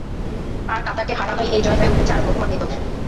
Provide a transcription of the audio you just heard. আর কাতারকে হারানোয় এই জয় হয়ে উঠেছে আরও মহিমান্বিত।